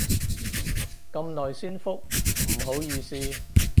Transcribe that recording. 咁耐先覆，唔好意思